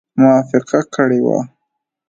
موافقه کړې وه.